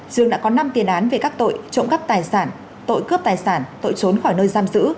dương đã có năm tiền án về các tội trộm cắp tài sản tội cướp tài sản tội trốn khỏi nơi giam giữ